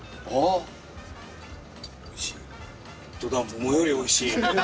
桃よりおいしい！